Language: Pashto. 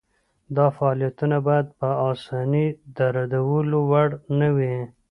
دا فعالیتونه باید په اسانۍ د ردولو وړ نه وي.